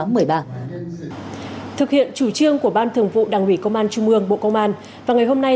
thực hiện chủ trương của ban thường vụ đảng ủy công an trung ương bộ công an và ngày hôm nay